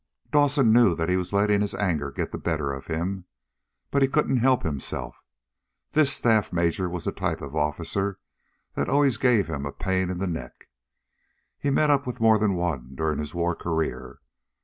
Dave knew that he was letting his anger get the better of him, but he couldn't help himself. This staff major was the type of officer that always gave him a pain in the neck. He'd met up with more than one during his war career.